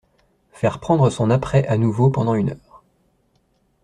Faire prendre son apprêt à nouveau pendant une heure.